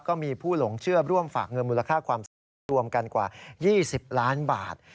ก็มีผู้หลงเชื่อร่วมฝากเงินมูลค่าความเสียหายรวมกันกว่า๒๐ล้านบาท